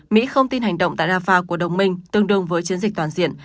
mỹ không tin hành động tại rafah của đồng minh tương đương với chiến dịch toàn diện